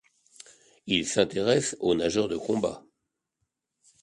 Il s'intéresse aux nageurs de combat.